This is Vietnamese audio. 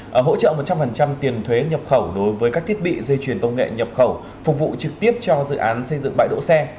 và hỗ trợ một trăm linh tiền thuế nhập khẩu đối với các thiết bị dây chuyển công nghệ nhập khẩu phục vụ trực tiếp cho dự án xây dựng bãi đỗ xe